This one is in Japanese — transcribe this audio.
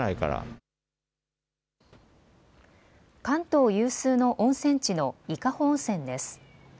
関東有数の温泉地の伊香保温泉です。